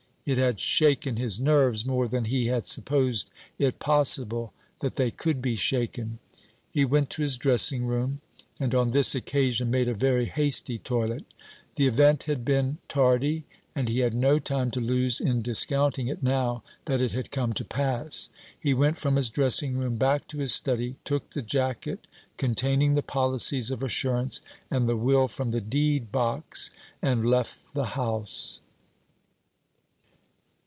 It had shaken his nerves more than he had supposed it possible that they could be shaken. He went to his dressing room, and on this occasion made a very hasty toilet. The event had been tardy, and he had no time to lose in discounting it now that it had come to pass. He went from his dressing room back to his study, took the jacket containing the policies of assurance and the will from the deed box, and left the house.